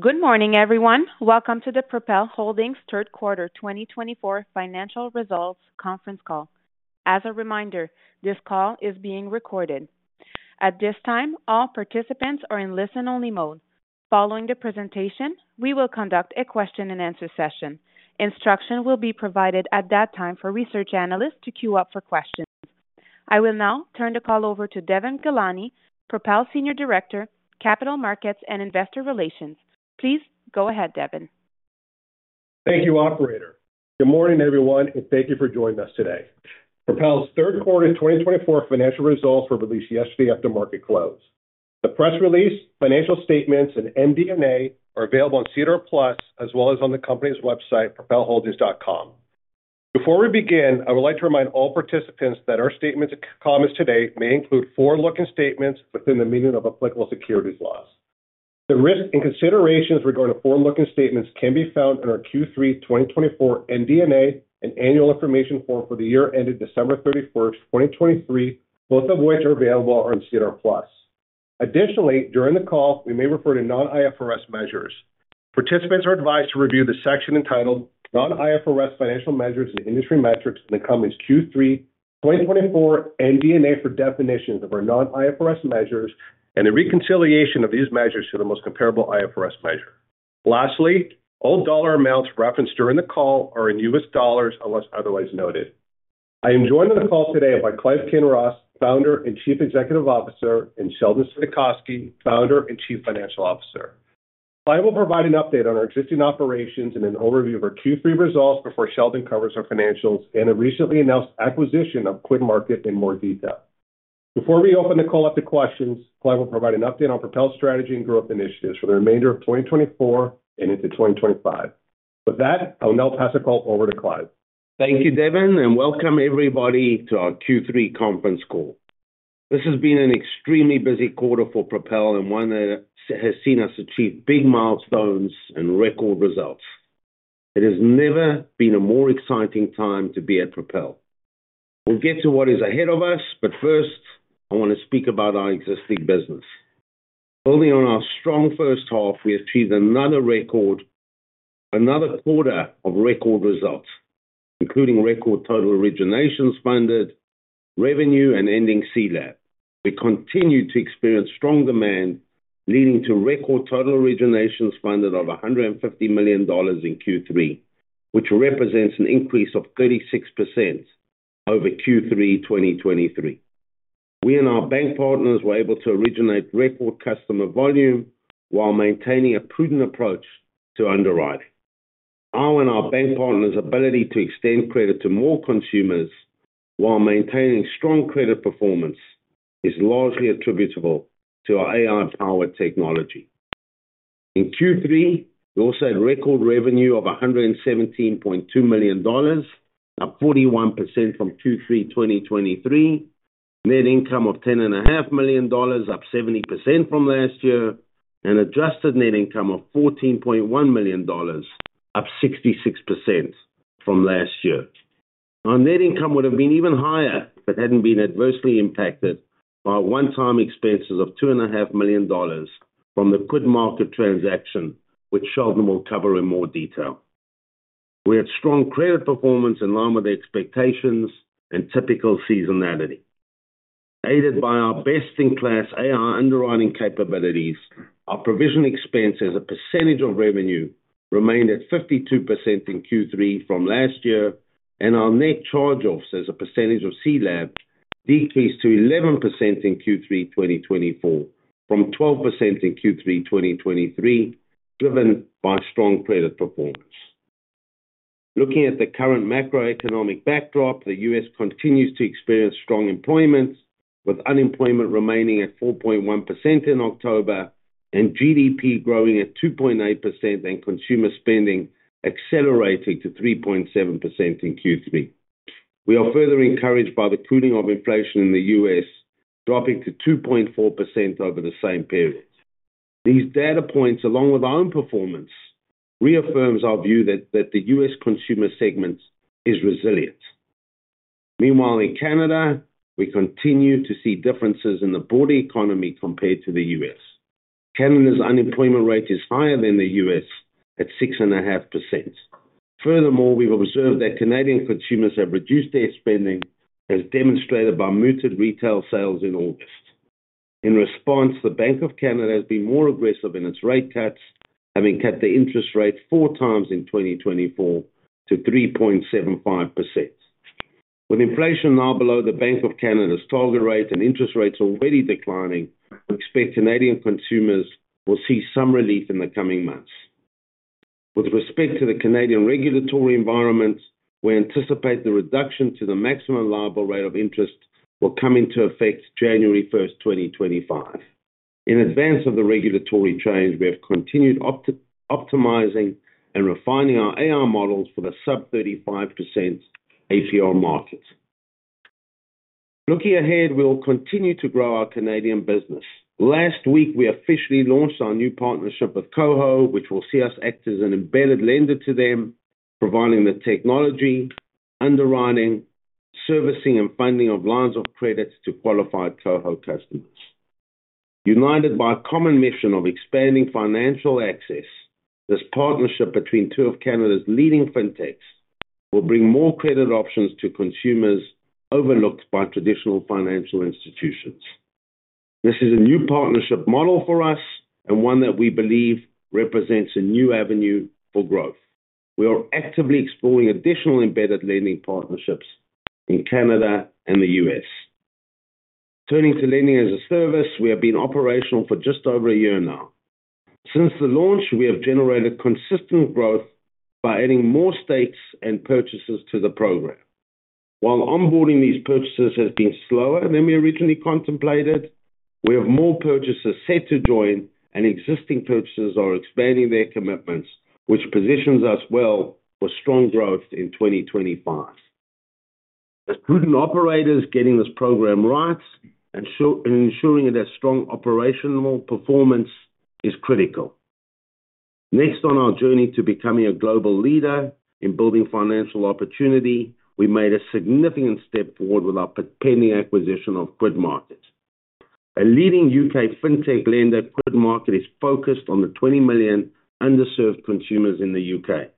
Good morning, everyone. Welcome to the Propel Holdings Third Quarter 2024 Financial Results Conference Call. As a reminder, this call is being recorded. At this time, all participants are in listen-only mode. Following the presentation, we will conduct a question-and-answer session. Instructions will be provided at that time for research analysts to queue up for questions. I will now turn the call over to Devon Ghelani, Senior Director, Capital Markets and Investor Relations at Propel Holdings. Please go ahead, Devon. Thank you, Operator. Good morning, everyone, and thank you for joining us today. Propel's Third Quarter 2024 Financial Results were released yesterday after market close. The press release, financial statements, and MD&A are available on SEDAR+ as well as on the company's website, propelholdings.com. Before we begin, I would like to remind all participants that our statements and comments today may include forward-looking statements within the meaning of applicable securities laws. The risks and considerations regarding forward-looking statements can be found in our Q3 2024 MD&A and Annual Information Form for the year ended December 31st 2023, both of which are available on SEDAR+. Additionally, during the call, we may refer to non-IFRS measures. Participants are advised to review the section entitled Non-IFRS Financial Measures and Industry Metrics in the company's Q3 2024 MD&A for definitions of our non-IFRS measures and the reconciliation of these measures to the most comparable IFRS measure. Lastly, all dollar amounts referenced during the call are in U.S. dollars unless otherwise noted. I am joined on the call today by Clive Kinross, Founder and Chief Executive Officer, and Sheldon Saidakovsky, Founder and Chief Financial Officer. Clive will provide an update on our existing operations and an overview of our Q3 results before Sheldon covers our financials and a recently announced acquisition of QuidMarket in more detail. Before we open the call up to questions, Clive will provide an update on Propel's strategy and growth initiatives for the remainder of 2024 and into 2025. With that, I will now pass the call over to Clive. Thank you, Devon, and welcome everybody to our Q3 Conference Call. This has been an extremely busy quarter for Propel and one that has seen us achieve big milestones and record results. It has never been a more exciting time to be at Propel. We'll get to what is ahead of us, but first, I want to speak about our existing business. Building on our strong first half, we achieved another record, another quarter of record results, including record total originations funded, revenue, and ending CLAB. We continue to experience strong demand, leading to record total originations funded of $150 million in Q3, which represents an increase of 36% over Q3 2023. We and our bank partners were able to originate record customer volume while maintaining a prudent approach to underwriting. Our and our bank partners' ability to extend credit to more consumers while maintaining strong credit performance is largely attributable to our AI-powered technology. In Q3, we also had record revenue of $117.2 million, up 41% from Q3 2023, net income of $10.5 million, up 70% from last year, and adjusted net income of $14.1 million, up 66% from last year. Our net income would have been even higher if it hadn't been adversely impacted by one-time expenses of $2.5 million from the QuidMarket transaction, which Sheldon will cover in more detail. We had strong credit performance in line with expectations and typical seasonality. Aided by our best-in-class AI underwriting capabilities, our provision expenses as a percentage of revenue remained at 52% in Q3 from last year, and our net charge-offs as a percentage of CLAB decreased to 11% in Q3 2024 from 12% in Q3 2023, driven by strong credit performance. Looking at the current macroeconomic backdrop, the U.S. continues to experience strong employment, with unemployment remaining at 4.1% in October and GDP growing at 2.8% and consumer spending accelerating to 3.7% in Q3. We are further encouraged by the cooling of inflation in the U.S., dropping to 2.4% over the same period. These data points, along with our own performance, reaffirm our view that the U.S. consumer segment is resilient. Meanwhile, in Canada, we continue to see differences in the broader economy compared to the U.S. Canada's unemployment rate is higher than the U.S. at 6.5%. Furthermore, we've observed that Canadian consumers have reduced their spending, as demonstrated by muted retail sales in August. In response, the Bank of Canada has been more aggressive in its rate cuts, having cut the interest rate four times in 2024 to 3.75%. With inflation now below the Bank of Canada's target rate and interest rates already declining, we expect Canadian consumers will see some relief in the coming months. With respect to the Canadian regulatory environment, we anticipate the reduction to the maximum liable rate of interest will come into effect January 1st, 2025. In advance of the regulatory change, we have continued optimizing and refining our AI models for the sub-35% APR market. Looking ahead, we will continue to grow our Canadian business. Last week, we officially launched our new partnership with KOHO, which will see us act as an embedded lender to them, providing the technology, underwriting, servicing, and funding of lines of credit to qualified KOHO customers. United by a common mission of expanding financial access, this partnership between two of Canada's leading fintechs will bring more credit options to consumers overlooked by traditional financial institutions. This is a new partnership model for us and one that we believe represents a new avenue for growth. We are actively exploring additional embedded lending partnerships in Canada and the U.S. Turning to lending as a service, we have been operational for just over a year now. Since the launch, we have generated consistent growth by adding more states and purchasers to the program. While onboarding these purchasers has been slower than we originally contemplated, we have more purchasers set to join, and existing purchasers are expanding their commitments, which positions us well for strong growth in 2025. As prudent operators, getting this program right and ensuring it has strong operational performance is critical. Next on our journey to becoming a global leader in building financial opportunity, we made a significant step forward with our pending acquisition of QuidMarket. A leading U.K. fintech lender, QuidMarket, is focused on the 20 million underserved consumers in the U.K.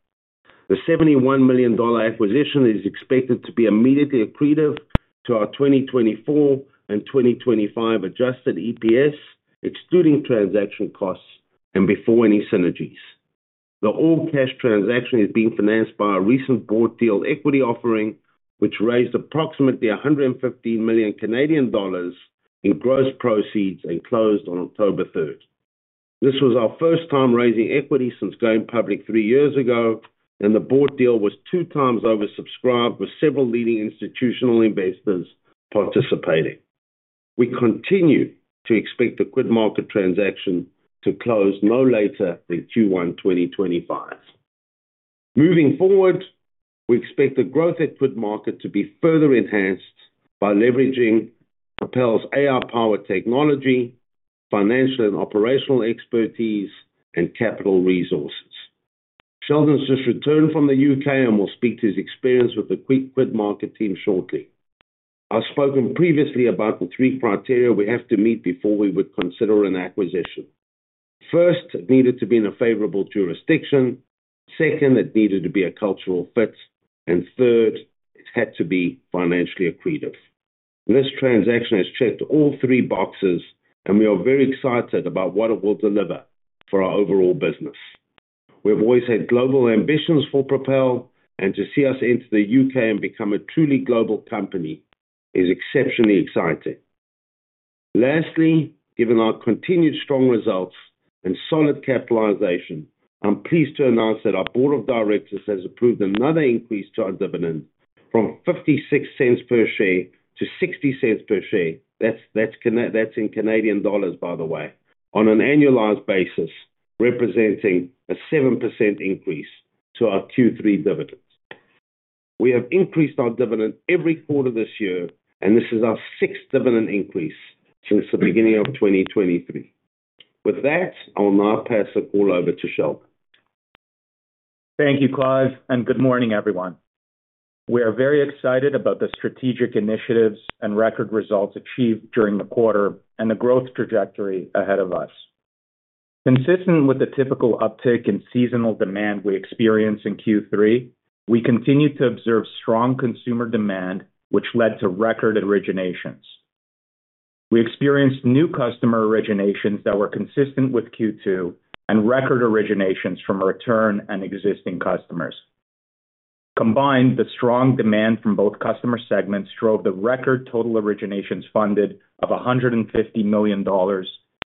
The $71 million acquisition is expected to be immediately accretive to our 2024 and 2025 adjusted EPS, excluding transaction costs and before any synergies. The all-cash transaction is being financed by a recent board deal equity offering, which raised approximately $115 million in gross proceeds and closed on October 3rd. This was our first time raising equity since going public three years ago, and the bought deal was two times oversubscribed with several leading institutional investors participating. We continue to expect the QuidMarket transaction to close no later than Q1 2025. Moving forward, we expect the growth at QuidMarket to be further enhanced by leveraging Propel's AI-powered technology, financial and operational expertise, and capital resources. Sheldon has just returned from the U.K. and will speak to his experience with the QuidMarket team shortly. I've spoken previously about the three criteria we have to meet before we would consider an acquisition. First, it needed to be in a favorable jurisdiction. Second, it needed to be a cultural fit. And third, it had to be financially accretive. This transaction has checked all three boxes, and we are very excited about what it will deliver for our overall business. We have always had global ambitions for Propel, and to see us enter the UK and become a truly global company is exceptionally exciting. Lastly, given our continued strong results and solid capitalization, I'm pleased to announce that our Board of Directors has approved another increase to our dividend from 0.56 per share to 0.60 per share. That's in Canadian dollars, by the way, on an annualized basis, representing a 7% increase to our Q3 dividends. We have increased our dividend every quarter this year, and this is our sixth dividend increase since the beginning of 2023. With that, I will now pass the call over to Sheldon. Thank you, Clive, and good morning, everyone. We are very excited about the strategic initiatives and record results achieved during the quarter and the growth trajectory ahead of us. Consistent with the typical uptick in seasonal demand we experience in Q3, we continue to observe strong consumer demand, which led to record originations. We experienced new customer originations that were consistent with Q2 and record originations from return and existing customers. Combined, the strong demand from both customer segments drove the record total originations funded of $150 million,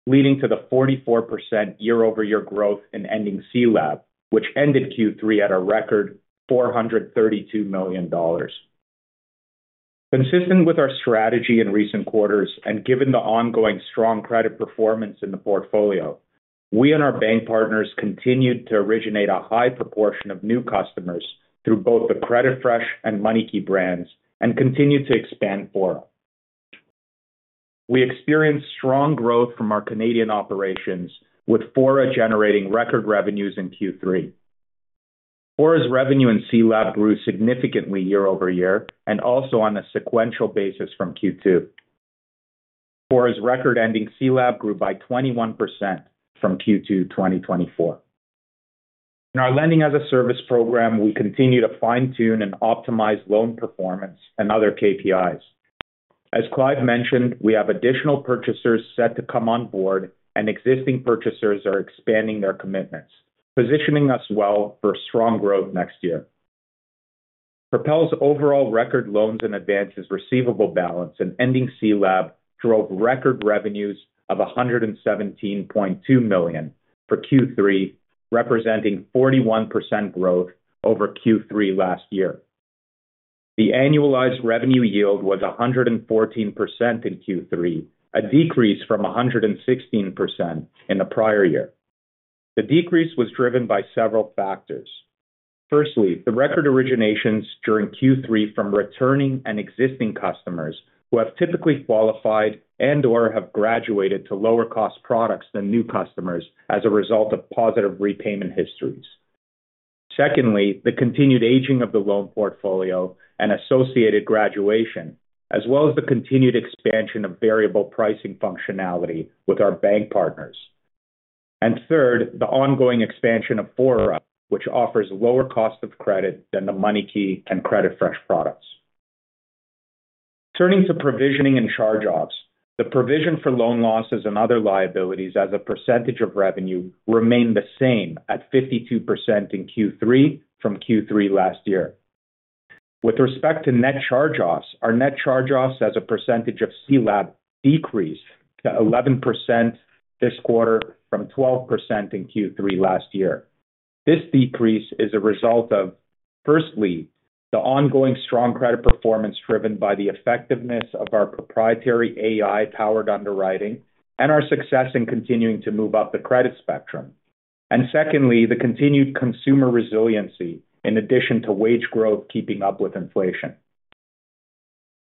leading to the 44% year-over-year growth in ending CLAB, which ended Q3 at a record $432 million. Consistent with our strategy in recent quarters, and given the ongoing strong credit performance in the portfolio, we and our bank partners continued to originate a high proportion of new customers through both the CreditFresh and MoneyKey brands and continue to expand forward. We experienced strong growth from our Canadian operations, with Fora generating record revenues in Q3. Fora's revenue in CLAB grew significantly year-over-year and also on a sequential basis from Q2. Fora's record-ending CLAB grew by 21% from Q2 2024. In our lending as a service program, we continue to fine-tune and optimize loan performance and other KPIs. As Clive mentioned, we have additional purchasers set to come on board, and existing purchasers are expanding their commitments, positioning us well for strong growth next year. Propel's overall record loans and advances receivable balance and ending CLAB drove record revenues of $117.2 million for Q3, representing 41% growth over Q3 last year. The annualized revenue yield was 114% in Q3, a decrease from 116% in the prior year. The decrease was driven by several factors. Firstly, the record originations during Q3 from returning and existing customers who have typically qualified and/or have graduated to lower-cost products than new customers as a result of positive repayment histories. Secondly, the continued aging of the loan portfolio and associated graduation, as well as the continued expansion of variable pricing functionality with our bank partners. And third, the ongoing expansion of Fora, which offers lower cost of credit than the MoneyKey and CreditFresh products. Turning to provisioning and charge-offs, the provision for loan losses and other liabilities as a percentage of revenue remained the same at 52% in Q3 from Q3 last year. With respect to net charge-offs, our net charge-offs as a percentage of CLAB decreased to 11% this quarter from 12% in Q3 last year. This decrease is a result of, firstly, the ongoing strong credit performance driven by the effectiveness of our proprietary AI-powered underwriting and our success in continuing to move up the credit spectrum. And secondly, the continued consumer resiliency in addition to wage growth keeping up with inflation.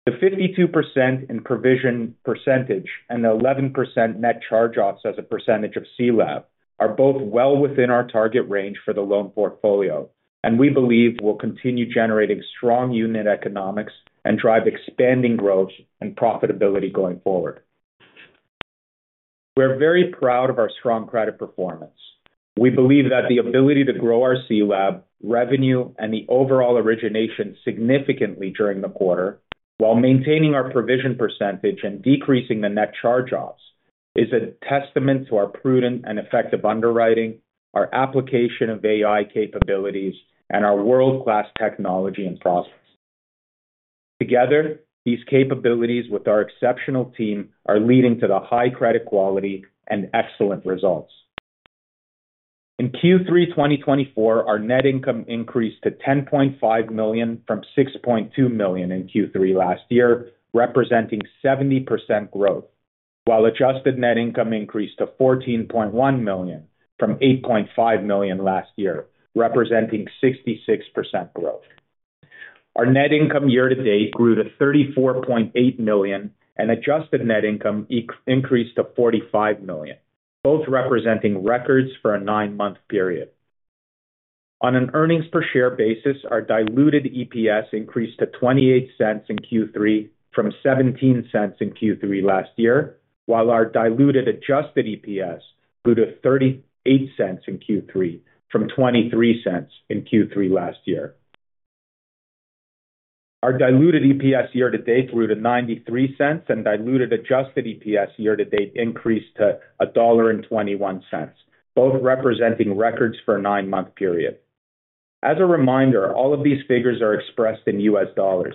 The 52% in provision percentage and the 11% net charge-offs as a percentage of CLAB are both well within our target range for the loan portfolio, and we believe will continue generating strong unit economics and drive expanding growth and profitability going forward. We are very proud of our strong credit performance. We believe that the ability to grow our CLAB revenue and the overall origination significantly during the quarter, while maintaining our provision percentage and decreasing the net charge-offs, is a testament to our prudent and effective underwriting, our application of AI capabilities, and our world-class technology and process. Together, these capabilities with our exceptional team are leading to the high credit quality and excellent results. In Q3 2024, our net income increased to $10.5 million from $6.2 million in Q3 last year, representing 70% growth, while adjusted net income increased to $14.1 million from $8.5 million last year, representing 66% growth. Our net income year-to-date grew to $34.8 million, and adjusted net income increased to $45 million, both representing records for a nine-month period. On an earnings-per-share basis, our diluted EPS increased to $0.28 in Q3 from $0.17 in Q3 last year, while our diluted adjusted EPS grew to $0.38 in Q3 from $0.23 in Q3 last year. Our diluted EPS year-to-date grew to $0.93, and diluted adjusted EPS year-to-date increased to $1.21, both representing records for a nine-month period. As a reminder, all of these figures are expressed in U.S. dollars.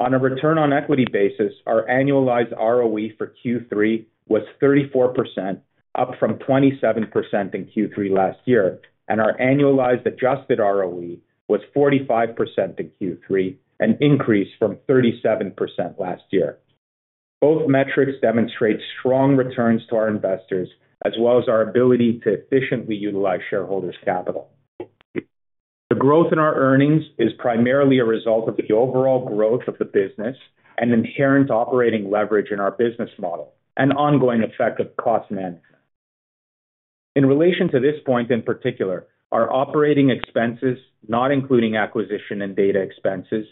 On a return on equity basis, our annualized ROE for Q3 was 34%, up from 27% in Q3 last year, and our annualized adjusted ROE was 45% in Q3, an increase from 37% last year. Both metrics demonstrate strong returns to our investors, as well as our ability to efficiently utilize shareholders' capital. The growth in our earnings is primarily a result of the overall growth of the business and inherent operating leverage in our business model, an ongoing effect of cost management. In relation to this point in particular, our operating expenses, not including acquisition and data expenses,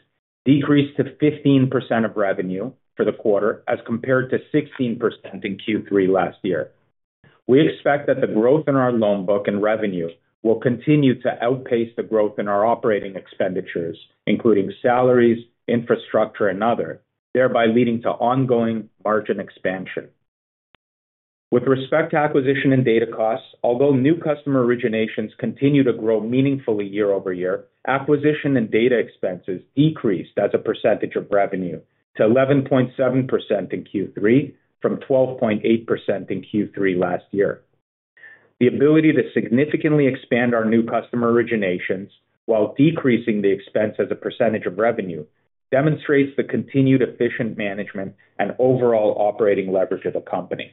decreased to 15% of revenue for the quarter as compared to 16% in Q3 last year. We expect that the growth in our loan book and revenue will continue to outpace the growth in our operating expenditures, including salaries, infrastructure, and other, thereby leading to ongoing margin expansion. With respect to acquisition and data costs, although new customer originations continue to grow meaningfully year-over-year, acquisition and data expenses decreased as a percentage of revenue to 11.7% in Q3 from 12.8% in Q3 last year. The ability to significantly expand our new customer originations while decreasing the expense as a percentage of revenue demonstrates the continued efficient management and overall operating leverage of the company.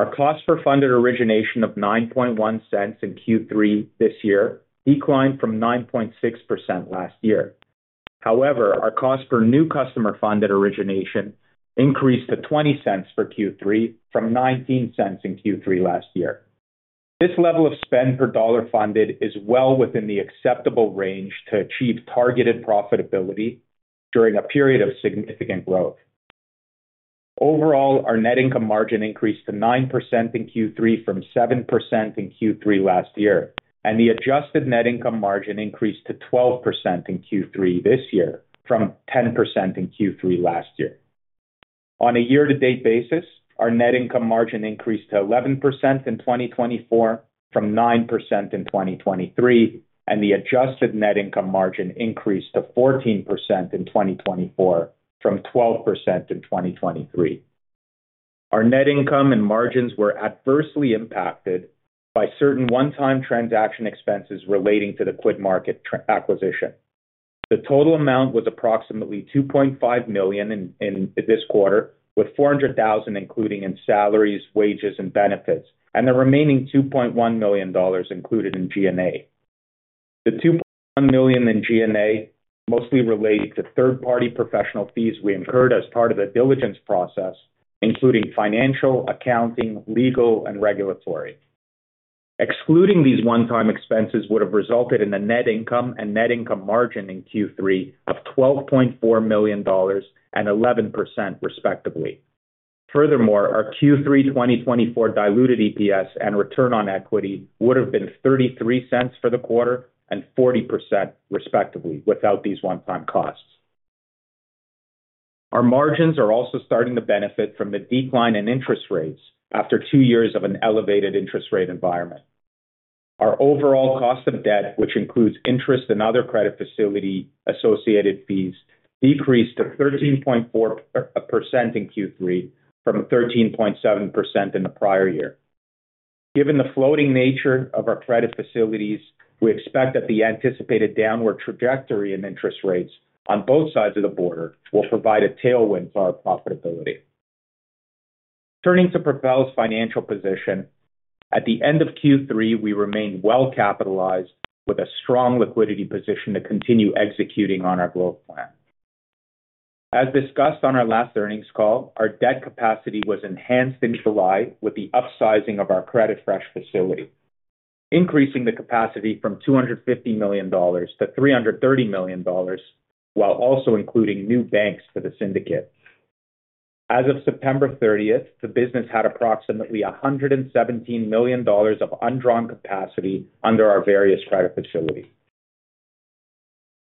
Our cost for funded origination of $0.91 in Q3 this year declined from $0.96 last year. However, our cost for new customer funded origination increased to $0.20 for Q3 from $0.19 in Q3 last year. This level of spend per dollar funded is well within the acceptable range to achieve targeted profitability during a period of significant growth. Overall, our net income margin increased to 9% in Q3 from 7% in Q3 last year, and the adjusted net income margin increased to 12% in Q3 this year from 10% in Q3 last year. On a year-to-date basis, our net income margin increased to 11% in 2024 from 9% in 2023, and the adjusted net income margin increased to 14% in 2024 from 12% in 2023. Our net income and margins were adversely impacted by certain one-time transaction expenses relating to the QuidMarket acquisition. The total amount was approximately $2.5 million in this quarter, with $400,000 included in salaries, wages, and benefits, and the remaining $2.1 million included in G&A. The $2.1 million in G&A mostly related to third-party professional fees we incurred as part of the diligence process, including financial, accounting, legal, and regulatory. Excluding these one-time expenses would have resulted in a net income and net income margin in Q3 of 12.4 million dollars and 11%, respectively. Furthermore, our Q3 2024 diluted EPS and return on equity would have been 0.33 for the quarter and 40%, respectively, without these one-time costs. Our margins are also starting to benefit from the decline in interest rates after two years of an elevated interest rate environment. Our overall cost of debt, which includes interest and other credit facility-associated fees, decreased to 13.4% in Q3 from 13.7% in the prior year. Given the floating nature of our credit facilities, we expect that the anticipated downward trajectory in interest rates on both sides of the border will provide a tailwind to our profitability. Turning to Propel's financial position, at the end of Q3, we remained well-capitalized with a strong liquidity position to continue executing on our growth plan. As discussed on our last earnings call, our debt capacity was enhanced in July with the upsizing of our CreditFresh facility, increasing the capacity from $250 million to $330 million, while also including new banks for the syndicate. As of September 30th, the business had approximately $117 million of undrawn capacity under our various credit facilities.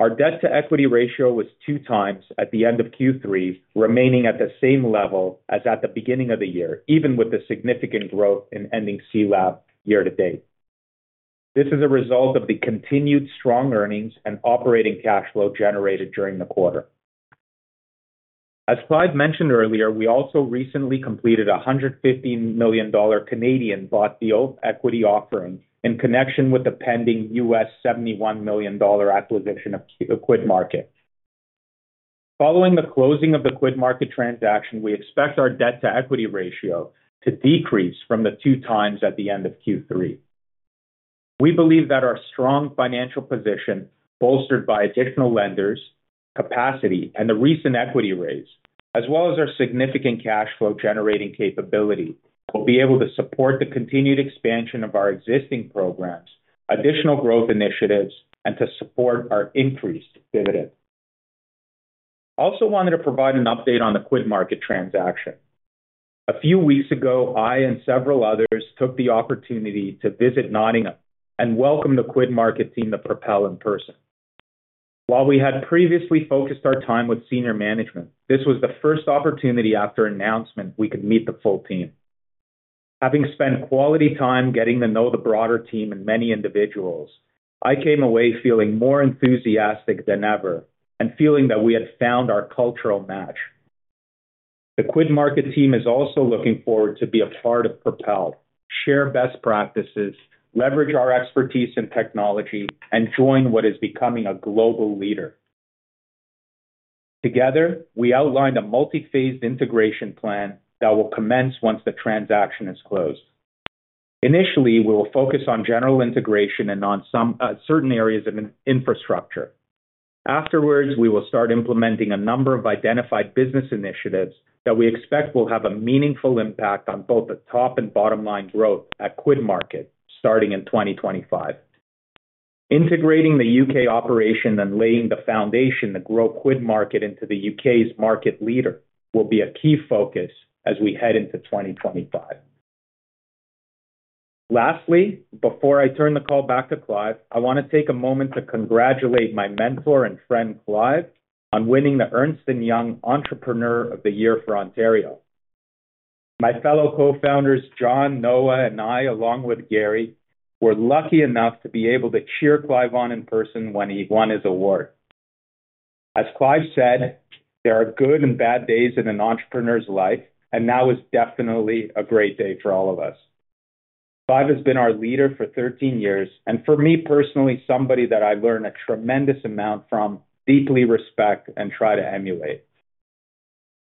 Our debt-to-equity ratio was two times at the end of Q3, remaining at the same level as at the beginning of the year, even with the significant growth in ending CLAB year-to-date. This is a result of the continued strong earnings and operating cash flow generated during the quarter. As Clive mentioned earlier, we also recently completed a CAD $150 million Canadian bought deal equity offering in connection with the pending U.S. $71 million acquisition of QuidMarket. Following the closing of the QuidMarket transaction, we expect our debt-to-equity ratio to decrease from the two times at the end of Q3. We believe that our strong financial position, bolstered by additional lenders, capacity, and the recent equity raise, as well as our significant cash flow generating capability, will be able to support the continued expansion of our existing programs, additional growth initiatives, and to support our increased dividend. I also wanted to provide an update on the QuidMarket transaction. A few weeks ago, I and several others took the opportunity to visit Nottingham and welcome the QuidMarket team to Propel in person. While we had previously focused our time with senior management, this was the first opportunity after announcement we could meet the full team. Having spent quality time getting to know the broader team and many individuals, I came away feeling more enthusiastic than ever and feeling that we had found our cultural match. The QuidMarket team is also looking forward to being a part of Propel, share best practices, leverage our expertise in technology, and join what is becoming a global leader. Together, we outlined a multi-phased integration plan that will commence once the transaction is closed. Initially, we will focus on general integration and on some certain areas of infrastructure. Afterwards, we will start implementing a number of identified business initiatives that we expect will have a meaningful impact on both the top and bottom line growth at QuidMarket starting in 2025. Integrating the UK operation and laying the foundation to grow QuidMarket into the UK's market leader will be a key focus as we head into 2025. Lastly, before I turn the call back to Clive, I want to take a moment to congratulate my mentor and friend Clive on winning the Ernst & Young Entrepreneur of the Year for Ontario. My fellow co-founders John, Noah, and I, along with Gary, were lucky enough to be able to cheer Clive on in person when he won his award. As Clive said, there are good and bad days in an entrepreneur's life, and now is definitely a great day for all of us. Clive has been our leader for 13 years, and for me personally, somebody that I learned a tremendous amount from, deeply respect and try to emulate.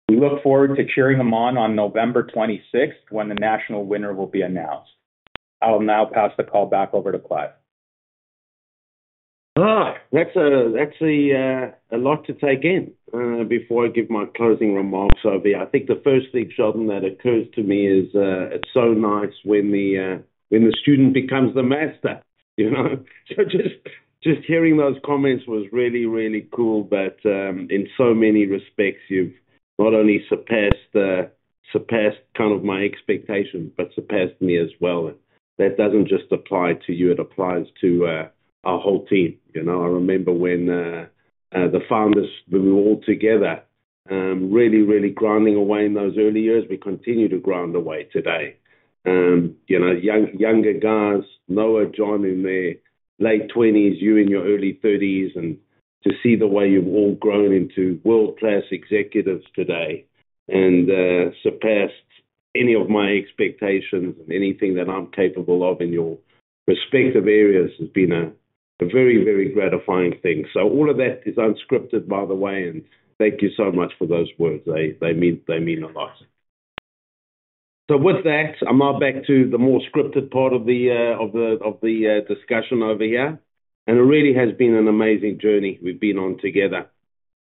We look forward to cheering him on November 26th when the national winner will be announced. I will now pass the call back over to Clive. That's a lot to take in before I give my closing remarks over here. I think the first excitement that occurs to me is it's so nice when the student becomes the master. So just hearing those comments was really, really cool that in so many respects, you've not only surpassed kind of my expectations, but surpassed me as well. That doesn't just apply to you; it applies to our whole team. I remember when the founders were all together, really, really grinding away in those early years. We continue to grind away today. Younger guys, Noah joining me, late 20s, you in your early 30s, and to see the way you've all grown into world-class executives today and surpassed any of my expectations and anything that I'm capable of in your respective areas has been a very, very gratifying thing. So all of that is unscripted, by the way, and thank you so much for those words. They mean a lot. So with that, I'm now back to the more scripted part of the discussion over here, and it really has been an amazing journey we've been on together.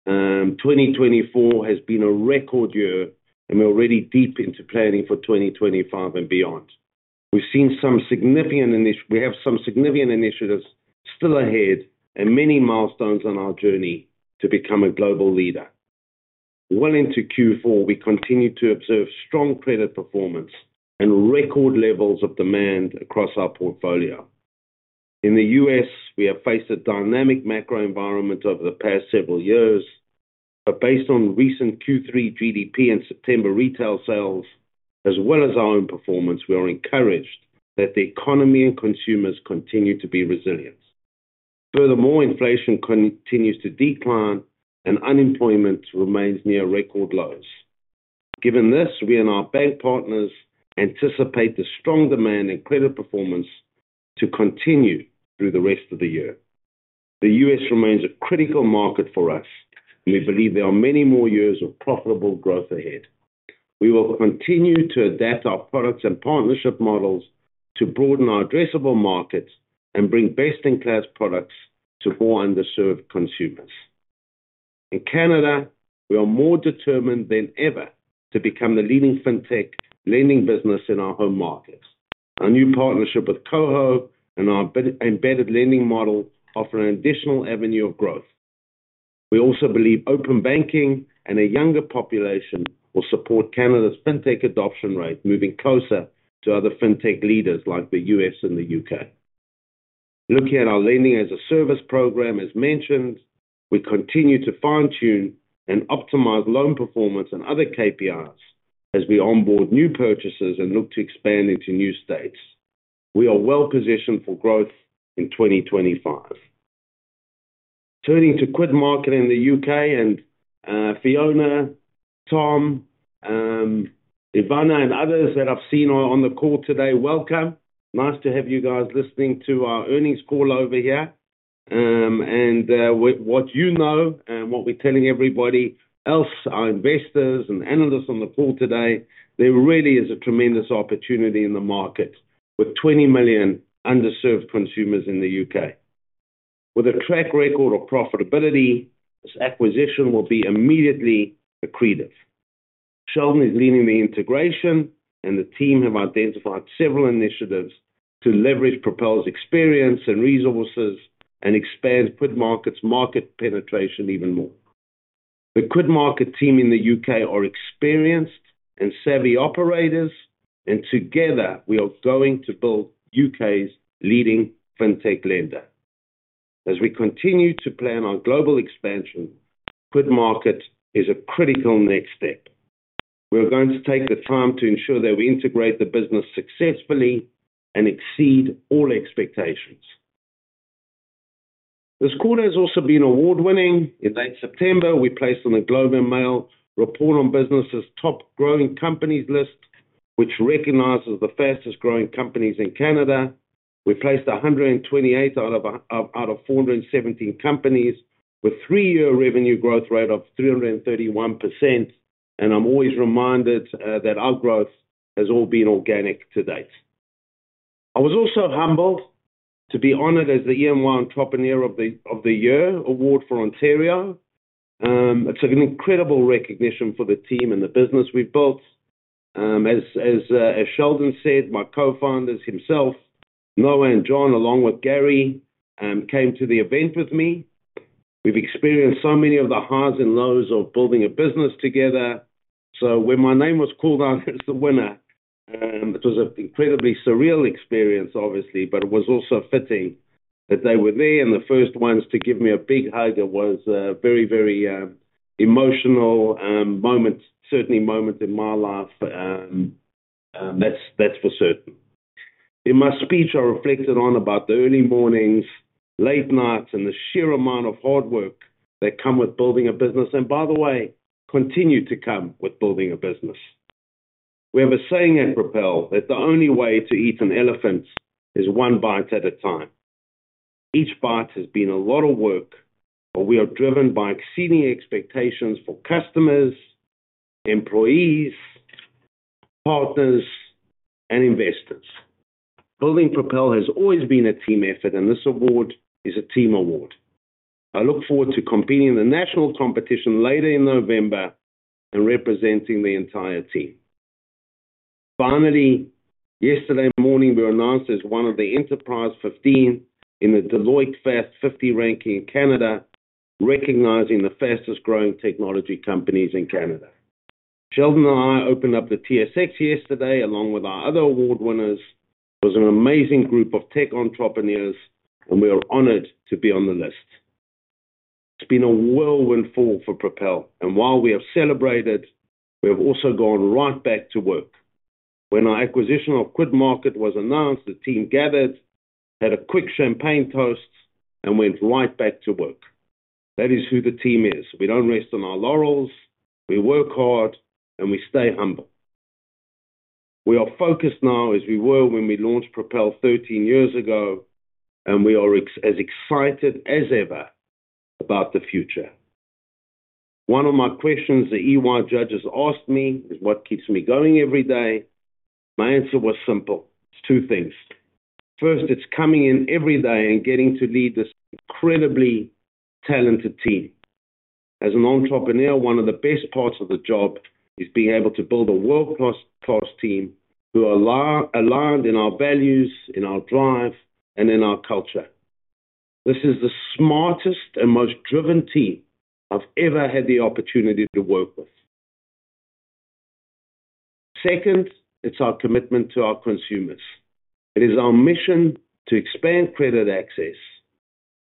2024 has been a record year, and we're already deep into planning for 2025 and beyond. We've seen some significant initiatives still ahead and many milestones on our journey to become a global leader. Looking to Q4, we continue to observe strong credit performance and record levels of demand across our portfolio. In the U.S., we have faced a dynamic macro environment over the past several years, but based on recent Q3 GDP and September retail sales, as well as our own performance, we are encouraged that the economy and consumers continue to be resilient. Furthermore, inflation continues to decline, and unemployment remains near record lows. Given this, we and our bank partners anticipate the strong demand and credit performance to continue through the rest of the year. The U.S. remains a critical market for us, and we believe there are many more years of profitable growth ahead. We will continue to adapt our products and partnership models to broaden our addressable markets and bring best-in-class products to more underserved consumers. In Canada, we are more determined than ever to become the leading fintech lending business in our home markets. Our new partnership with KOHO and our embedded lending model offer an additional avenue of growth. We also believe open banking and a younger population will support Canada's fintech adoption rate, moving closer to other fintech leaders like the U.S. and the U.K. Looking at our lending-as-a-service program, as mentioned, we continue to fine-tune and optimize loan performance and other KPIs as we onboard new purchases and look to expand into new states. We are well-positioned for growth in 2025. Turning to QuidMarket in the U.K., and Fiona, Tom, Ivana, and others that I've seen on the call today, welcome. Nice to have you guys listening to our earnings call over here and what you know and what we're telling everybody else, our investors and analysts on the call today, there really is a tremendous opportunity in the market with 20 million underserved consumers in the U.K. With a track record of profitability, this acquisition will be immediately accretive. Sheldon is leading the integration, and the team have identified several initiatives to leverage Propel's experience and resources and expand QuidMarket's market penetration even more. The QuidMarket team in the U.K. are experienced and savvy operators, and together, we are going to build U.K.'s leading fintech lender. As we continue to plan our global expansion, QuidMarket is a critical next step. We are going to take the time to ensure that we integrate the business successfully and exceed all expectations. This quarter has also been award-winning. In late September, we placed on The Globe and Mail Report on Business's top growing companies list, which recognizes the fastest-growing companies in Canada. We placed 128 out of 417 companies with a three-year revenue growth rate of 331%, and I'm always reminded that our growth has all been organic to date. I was also humbled to be honored as the EY Entrepreneur of the Year award for Ontario. It's an incredible recognition for the team and the business we've built. As Sheldon said, my co-founders himself, Noah and John, along with Gary, came to the event with me. We've experienced so many of the highs and lows of building a business together. When my name was called out as the winner, it was an incredibly surreal experience, obviously, but it was also fitting that they were there, and the first ones to give me a big hug was a very, very emotional moment, certainly a moment in my life. That's for certain. In my speech, I reflected on the early mornings, late nights, and the sheer amount of hard work that comes with building a business, and by the way, continue to come with building a business. We have a saying at Propel that the only way to eat an elephant is one bite at a time. Each bite has been a lot of work, but we are driven by exceeding expectations for customers, employees, partners, and investors. Building Propel has always been a team effort, and this award is a team award. I look forward to competing in the national competition later in November and representing the entire team. Finally, yesterday morning, we were announced as one of the Enterprise 15 in the Deloitte Fast 50 ranking in Canada, recognizing the fastest-growing technology companies in Canada. Sheldon and I opened up the TSX yesterday along with our other award winners. It was an amazing group of tech entrepreneurs, and we are honored to be on the list. It's been a whirlwind fall for Propel, and while we have celebrated, we have also gone right back to work. When our acquisition of QuidMarket was announced, the team gathered, had a quick champagne toast, and went right back to work. That is who the team is. We don't rest on our laurels. We work hard, and we stay humble. We are focused now as we were when we launched Propel 13 years ago, and we are as excited as ever about the future. One of my questions the EY judges asked me is, "What keeps me going every day?" My answer was simple. It's two things. First, it's coming in every day and getting to lead this incredibly talented team. As an entrepreneur, one of the best parts of the job is being able to build a world-class team who are aligned in our values, in our drive, and in our culture. This is the smartest and most driven team I've ever had the opportunity to work with. Second, it's our commitment to our consumers. It is our mission to expand credit access,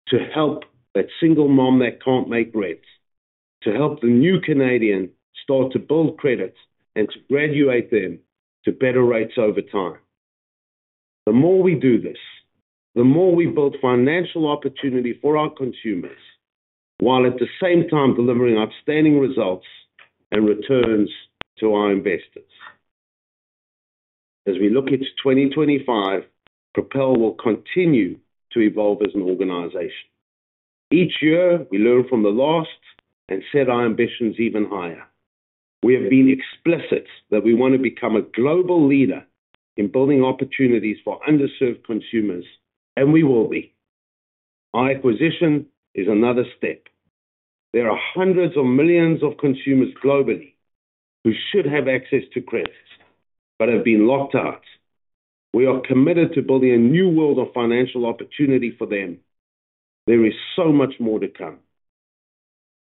to help that single mom that can't make rent, to help the new Canadian start to build credit, and to graduate them to better rates over time. The more we do this, the more we build financial opportunity for our consumers while at the same time delivering outstanding results and returns to our investors. As we look into 2025, Propel will continue to evolve as an organization. Each year, we learn from the last and set our ambitions even higher. We have been explicit that we want to become a global leader in building opportunities for underserved consumers, and we will be. Our acquisition is another step. There are hundreds of millions of consumers globally who should have access to credit but have been locked out. We are committed to building a new world of financial opportunity for them. There is so much more to come.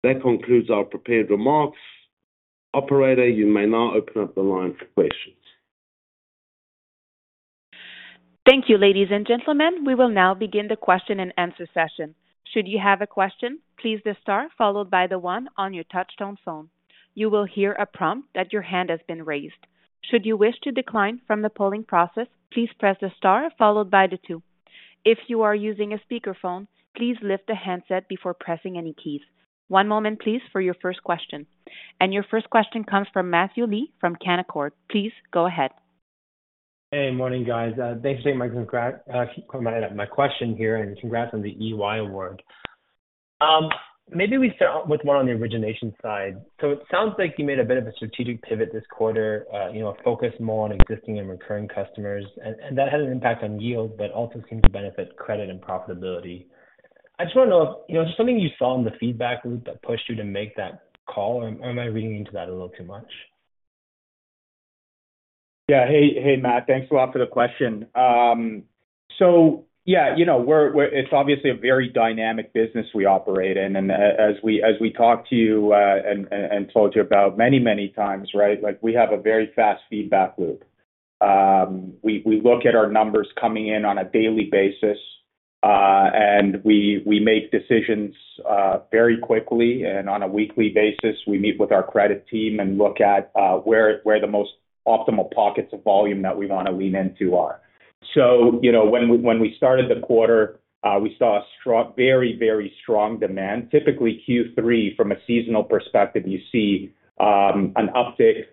That concludes our prepared remarks. Operator, you may now open up the line for questions. Thank you, ladies and gentlemen. We will now begin the question and answer session. Should you have a question, please press the star followed by the one on your touch-tone phone. You will hear a prompt that your hand has been raised. Should you wish to decline from the polling process, please press the star followed by the two. If you are using a speakerphone, please lift the handset before pressing any keys. One moment, please, for your first question. Your first question comes from Matthew Lee from Canaccord. Please go ahead. Hey, morning, guys. Thanks for taking my question here and congrats on the EY award. Maybe we start with one on the origination side. So it sounds like you made a bit of a strategic pivot this quarter, a focus more on existing and recurring customers, and that had an impact on yield, but also seemed to benefit credit and profitability. I just want to know if there's something you saw in the feedback loop that pushed you to make that call, or am I reading into that a little too much? Yeah. Hey, Matt, thanks a lot for the question. So yeah, it's obviously a very dynamic business we operate in, and as we talked to you and told you about many, many times, right, we have a very fast feedback loop. We look at our numbers coming in on a daily basis, and we make decisions very quickly, and on a weekly basis, we meet with our credit team and look at where the most optimal pockets of volume that we want to lean into are. So when we started the quarter, we saw a very, very strong demand. Typically, Q3, from a seasonal perspective, you see an uptick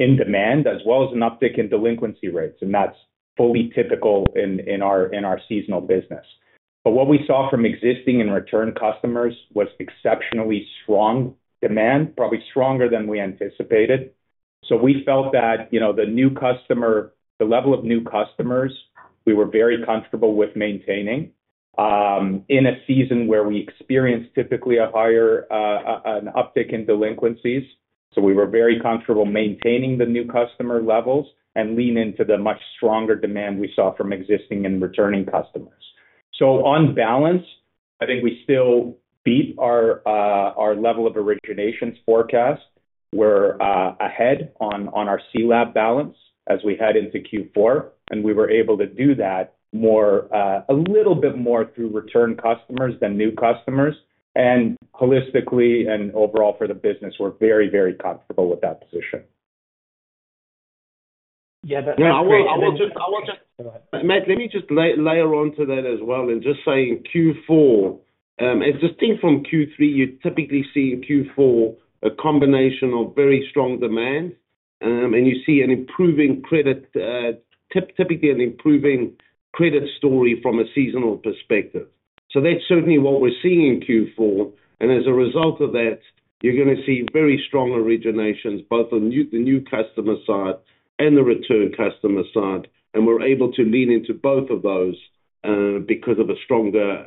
in demand as well as an uptick in delinquency rates, and that's fully typical in our seasonal business. But what we saw from existing and return customers was exceptionally strong demand, probably stronger than we anticipated. So we felt that the new customer, the level of new customers, we were very comfortable with maintaining in a season where we experienced typically a higher uptick in delinquencies. So we were very comfortable maintaining the new customer levels and leaning into the much stronger demand we saw from existing and returning customers. So on balance, I think we still beat our level of originations forecast. We're ahead on our CLAB balance as we head into Q4, and we were able to do that a little bit more through return customers than new customers. And holistically and overall for the business, we're very, very comfortable with that position. Yeah, that's great. I will just, Matt, let me just layer onto that as well and just say in Q4, as the thing from Q3, you're typically seeing Q4 a combination of very strong demand, and you see an improving credit, typically an improving credit story from a seasonal perspective. So that's certainly what we're seeing in Q4, and as a result of that, you're going to see very strong originations both on the new customer side and the return customer side, and we're able to lean into both of those because of a stronger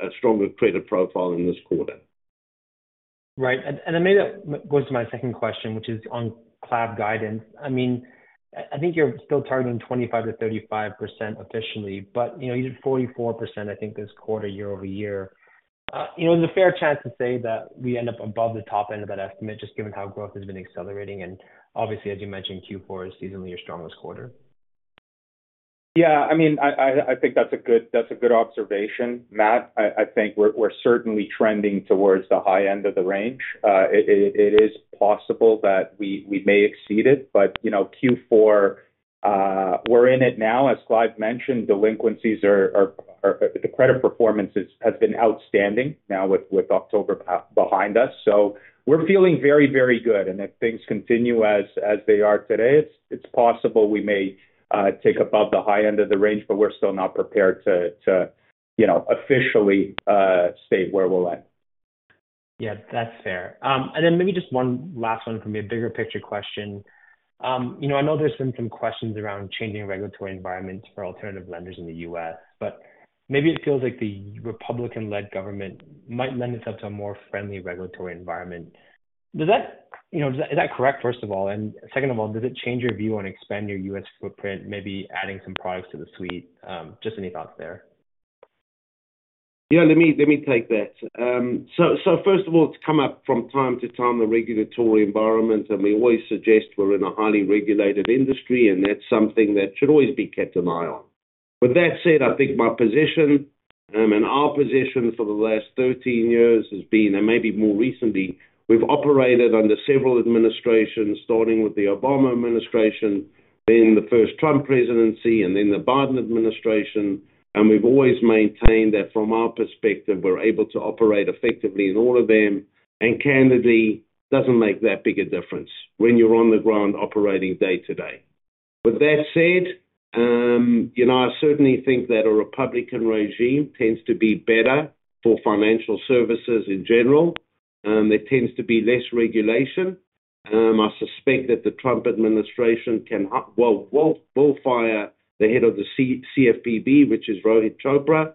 credit profile in this quarter. Right. And it may go to my second question, which is on growth guidance. I mean, I think you're still targeting 25%-35% officially, but you did 44%, I think, this quarter year-over-year. Is it a fair chance to say that we end up above the top end of that estimate just given how growth has been accelerating? And obviously, as you mentioned, Q4 is seasonally your strongest quarter. Yeah. I mean, I think that's a good observation. Matt, I think we're certainly trending towards the high end of the range. It is possible that we may exceed it, but Q4, we're in it now. As Clive mentioned, delinquencies are, the credit performance has been outstanding now with October behind us. So we're feeling very, very good, and if things continue as they are today, it's possible we may take above the high end of the range, but we're still not prepared to officially state where we'll end. Yeah, that's fair. And then maybe just one last one from a bigger picture question. I know there's been some questions around changing regulatory environments for alternative lenders in the U.S., but maybe it feels like the Republican-led government might lend itself to a more friendly regulatory environment. Is that correct, first of all? And second of all, does it change your view on expanding your U.S. footprint, maybe adding some products to the suite? Just any thoughts there? Yeah, let me take that. So first of all, it's come up from time to time the regulatory environment, and we always suggest we're in a highly regulated industry, and that's something that should always be kept an eye on. With that said, I think my position and our position for the last 13 years has been, and maybe more recently, we've operated under several administrations, starting with the Obama administration, then the first Trump presidency, and then the Biden administration, and we've always maintained that from our perspective, we're able to operate effectively in all of them, and candidly, it doesn't make that big a difference when you're on the ground operating day to day. With that said, I certainly think that a Republican regime tends to be better for financial services in general. There tends to be less regulation. I suspect that the Trump administration will fire the head of the CFPB, which is Rohit Chopra,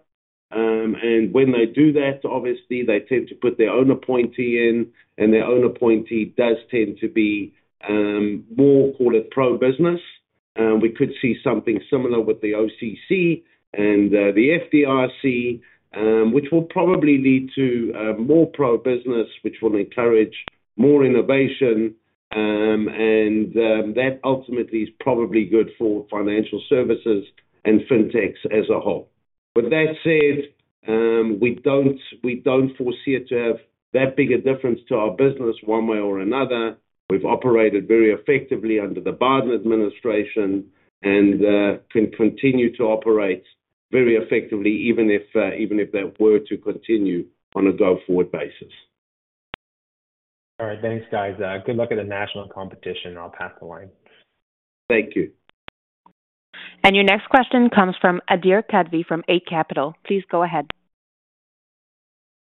and when they do that, obviously, they tend to put their own appointee in, and their own appointee does tend to be more called a pro-business. We could see something similar with the OCC and the FDIC, which will probably lead to more pro-business, which will encourage more innovation, and that ultimately is probably good for financial services and fintechs as a whole. With that said, we don't foresee it to have that big a difference to our business one way or another. We've operated very effectively under the Biden administration and can continue to operate very effectively even if that were to continue on a go-forward basis. All right. Thanks, guys. Good luck at the national competition. I'll pass the line. Thank you. Your next question comes from Adhir Kadve from Eight Capital. Please go ahead.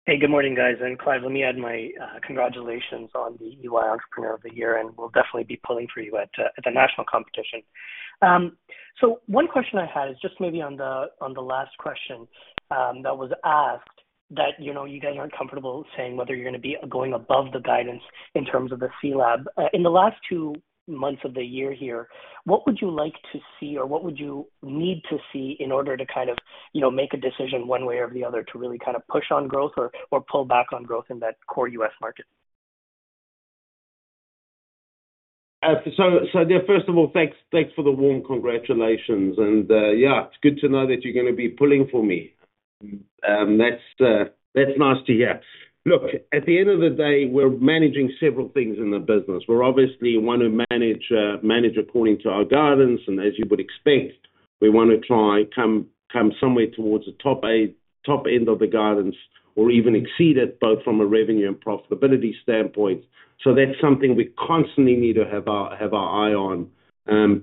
Hey, good morning, guys. And Clive, let me add my congratulations on the EY Entrepreneur of the Year, and we'll definitely be pulling for you at the national competition. So one question I had is just maybe on the last question that was asked that you guys aren't comfortable saying whether you're going to be going above the guidance in terms of the CLAB. In the last two months of the year here, what would you like to see or what would you need to see in order to kind of make a decision one way or the other to really kind of push on growth or pull back on growth in that core U.S. market? So first of all, thanks for the warm congratulations, and yeah, it's good to know that you're going to be pulling for me. That's nice to hear. Look, at the end of the day, we're managing several things in the business. We're obviously want to manage according to our guidance, and as you would expect, we want to try and come somewhere towards the top end of the guidance or even exceed it both from a revenue and profitability standpoint. So that's something we constantly need to have our eye on,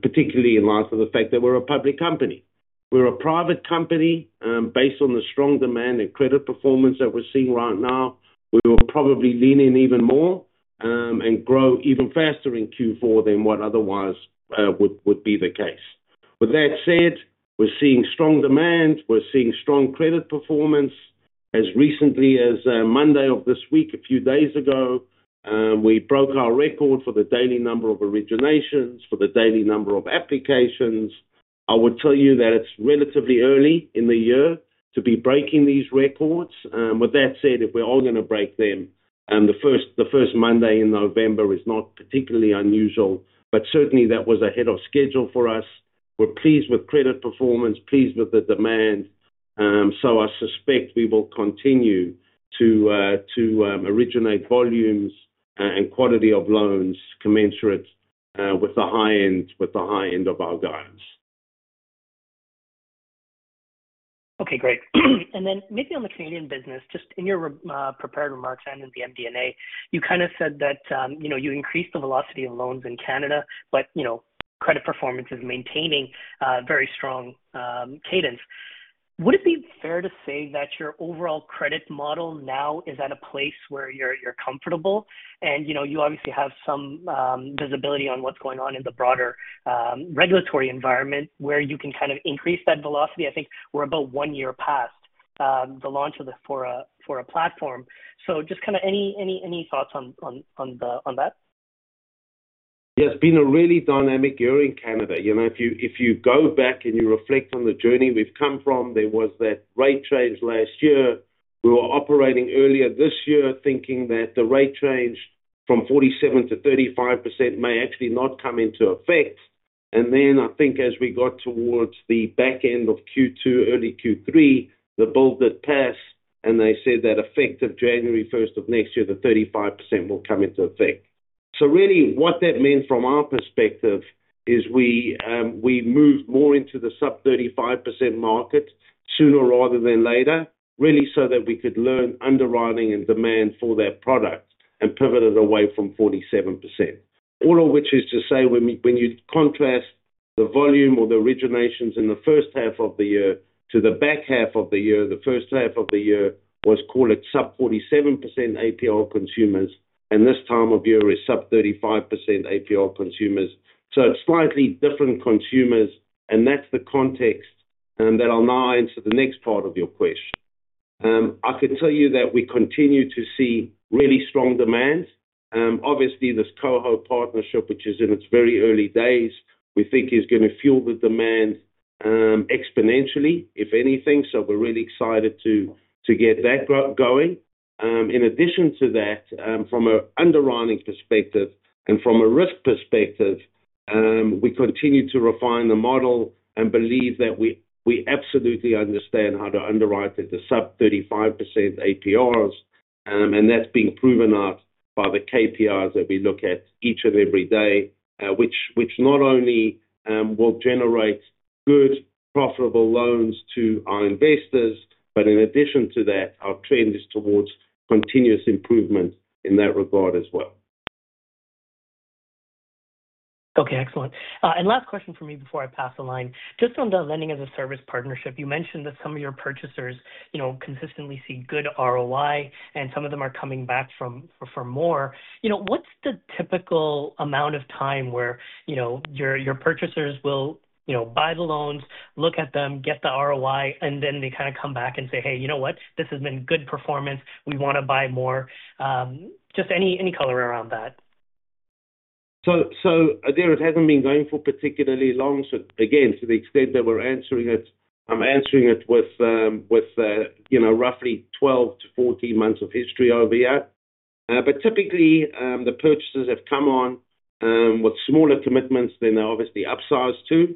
particularly in light of the fact that we're a public company. We're a private company. Based on the strong demand and credit performance that we're seeing right now, we will probably lean in even more and grow even faster in Q4 than what otherwise would be the case. With that said, we're seeing strong demand. We're seeing strong credit performance. As recently as Monday of this week, a few days ago, we broke our record for the daily number of originations, for the daily number of applications. I will tell you that it's relatively early in the year to be breaking these records. With that said, if we're all going to break them, the first Monday in November is not particularly unusual, but certainly that was ahead of schedule for us. We're pleased with credit performance, pleased with the demand, so I suspect we will continue to originate volumes and quantity of loans commensurate with the high end of our guidance. Okay, great. And then maybe on the Canadian business, just in your prepared remarks and in the MD&A, you kind of said that you increased the velocity of loans in Canada, but credit performance is maintaining a very strong cadence. Would it be fair to say that your overall credit model now is at a place where you're comfortable, and you obviously have some visibility on what's going on in the broader regulatory environment where you can kind of increase that velocity? I think we're about one year past the launch of the Fora platform. So just kind of any thoughts on that? Yeah, it's been a really dynamic year in Canada. If you go back and you reflect on the journey we've come from, there was that rate change last year. We were operating earlier this year thinking that the rate change from 47% to 35% may actually not come into effect. Then I think as we got towards the back end of Q2, early Q3, the bill did pass, and they said that effective January 1st of next year, the 35% will come into effect. So really what that meant from our perspective is we moved more into the sub-35% market sooner rather than later, really so that we could learn underwriting and demand for that product and pivot it away from 47%. All of which is to say when you contrast the volume or the originations in the first half of the year to the back half of the year, the first half of the year was called at sub-47% APR consumers, and this time of year is sub-35% APR consumers. So it's slightly different consumers, and that's the context that I'll now answer the next part of your question. I could tell you that we continue to see really strong demand. Obviously, this KOHO partnership, which is in its very early days, we think is going to fuel the demand exponentially, if anything, so we're really excited to get that going. In addition to that, from an underwriting perspective and from a risk perspective, we continue to refine the model and believe that we absolutely understand how to underwrite at the sub-35% APRs, and that's being proven out by the KPIs that we look at each and every day, which not only will generate good, profitable loans to our investors, but in addition to that, our trend is towards continuous improvement in that regard as well. Okay, excellent. And last question for me before I pass the line. Just on the lending as a service partnership, you mentioned that some of your purchasers consistently see good ROI, and some of them are coming back for more. What's the typical amount of time where your purchasers will buy the loans, look at them, get the ROI, and then they kind of come back and say, "Hey, you know what? This has been good performance. We want to buy more." Just any color around that. So Adhir, it hasn't been going for particularly long. So again, to the extent that we're answering it, I'm answering it with roughly 12-14 months of history over here. But typically, the purchasers have come on with smaller commitments than they're obviously upsized to.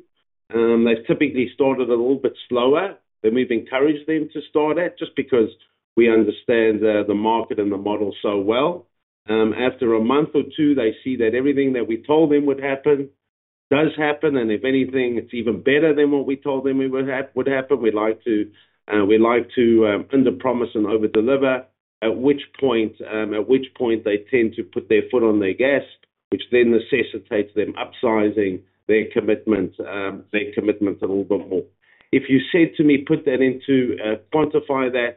They've typically started a little bit slower. Then we've encouraged them to start it just because we understand the market and the model so well. After a month or two, they see that everything that we told them would happen does happen, and if anything, it's even better than what we told them would happen. We like to underpromise and overdeliver, at which point they tend to put their foot on the gas, which then necessitates them upsizing their commitments a little bit more. If you said to me, "Put that into quantify that,"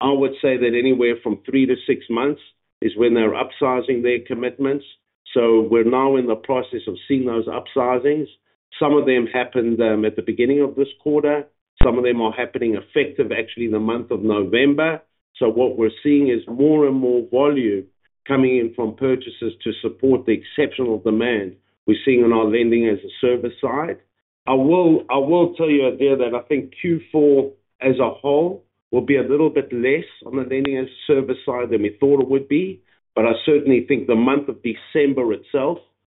I would say that anywhere from three to six months is when they're upsizing their commitments. So we're now in the process of seeing those upsizings. Some of them happened at the beginning of this quarter. Some of them are happening effective actually in the month of November. So what we're seeing is more and more volume coming in from purchases to support the exceptional demand we're seeing on our lending as a service side. I will tell you, Adhir, that I think Q4 as a whole will be a little bit less on the lending as a service side than we thought it would be, but I certainly think the month of December itself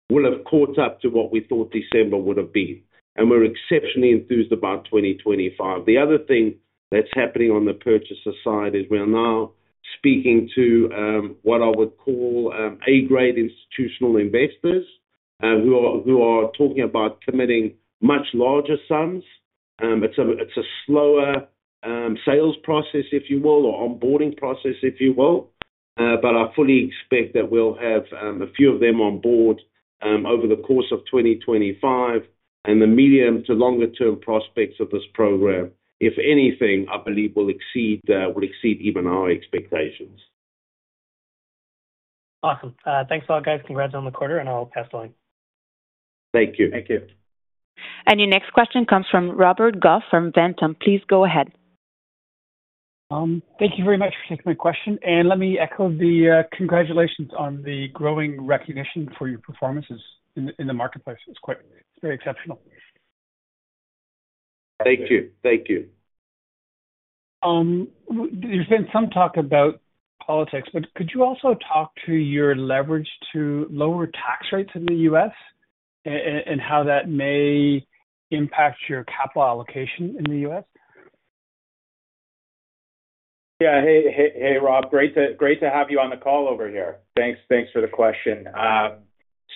will have caught up to what we thought December would have been, and we're exceptionally enthused about 2025. The other thing that's happening on the purchaser side is we're now speaking to what I would call A-grade institutional investors who are talking about committing much larger sums. It's a slower sales process, if you will, or onboarding process, if you will, but I fully expect that we'll have a few of them on board over the course of 2025, and the medium to longer-term prospects of this program, if anything, I believe will exceed even our expectations. Awesome. Thanks a lot, guys. Congrats on the quarter, and I'll pass the line. Thank you. Thank you. And your next question comes from Robert Goff from Ventum Financial. Please go ahead. Thank you very much for taking my question, and let me echo the congratulations on the growing recognition for your performances in the marketplace. It's very exceptional. Thank you. Thank you. There's been some talk about politics, but could you also talk to your leverage to lower tax rates in the U.S. and how that may impact your capital allocation in the U.S.? Yeah. Hey, Rob. Great to have you on the call over here. Thanks for the question.